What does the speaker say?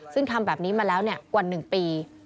ซึ่งทำแบบนี้มาแล้วกว่า๑ปี